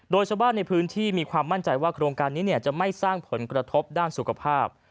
โดยชาวบ้านในพื้นที่มีความมั่นใจว่าโครงการนี้จะไม่สร้างผลกระทบด้านสุขภาพ